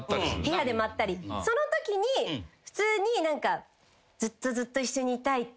そのときに普通に何か「ずっとずっと一緒にいたい」って。